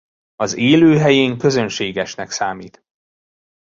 Az élőhelyén közönségesnek számít.